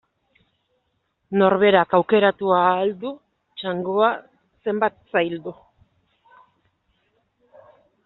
Norberak aukeratu ahal du txangoa zenbat zaildu.